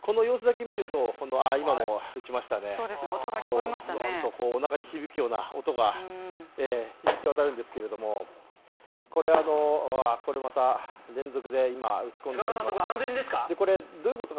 この様子だけ見ると今も撃ちましたね、おなかに響くような音が響き渡るんですけれども、これまた連続で撃ち込んでいます。